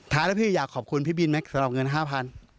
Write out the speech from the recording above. ท้ายแล้วพี่อยากขอบคุณพี่บินไหมสำหรับเงิน๕๐๐บาท